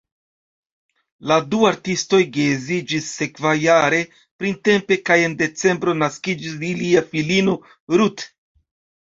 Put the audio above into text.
La du artistoj geedziĝis sekvajare printempe kaj en decembro naskiĝis ilia filino Ruth.